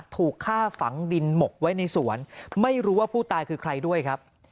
ถูกฆ่าฝังดินหมกไว้ในสวนไม่รู้ว่าผู้ตายคือใครด้วยครับ